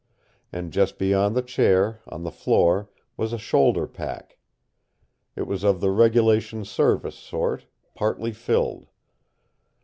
And just beyond the chair, on the floor, was a shoulder pack. It was of the regulation service sort, partly filled.